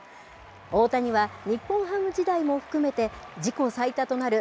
大谷は日本ハム時代も含めて、自己最多となる